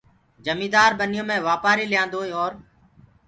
جميندآر ٻنيو مي وآپآري ليآندوئي اور